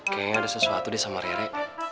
kayaknya ada sesuatu deh sama rire